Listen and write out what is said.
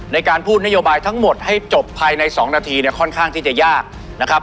ในการพูดนโยบายทั้งหมดให้จบภายใน๒นาทีเนี่ยค่อนข้างที่จะยากนะครับ